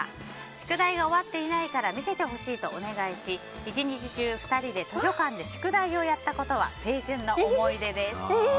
宿題が終わっていないから見せてほしいとお願いし、１日中２人で図書館で宿題をやったことは青春の思い出です。